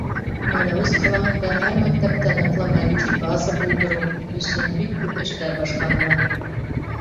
Мәләүез ҡалаһында һәр мәктәптә ныҡлы матди база булдырыу өсөн күп эштәр башҡарыла.